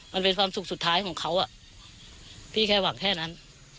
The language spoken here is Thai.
มันเป็นความสุขสุดท้ายของเขาพี่แค่หวังแค่นั้น